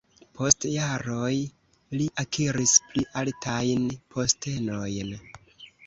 Post jaroj li akiris pli altajn postenojn.